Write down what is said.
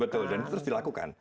betul dan itu terus dilakukan